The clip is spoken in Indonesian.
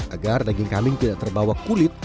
agar daging kambing tidak terbawa kulit